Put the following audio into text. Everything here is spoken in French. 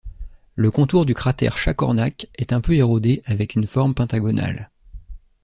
Le contour du cratère Chacornac est peu érodé avec une forme pentagonale.